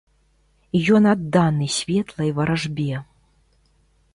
Ён адданы светлай варажбе.